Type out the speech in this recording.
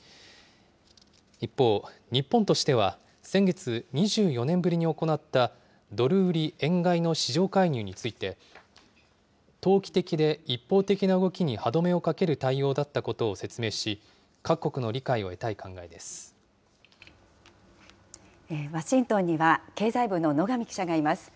一方、日本としては先月、２４年ぶりに行ったドル売り円買いの市場介入について、投機的で一方的な動きに歯止めをかける対応だったことを説明し、ワシントンには経済部の野上記者がいます。